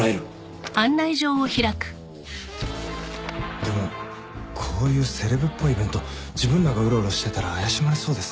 でもこういうセレブっぽいイベント自分らがうろうろしてたら怪しまれそうですね。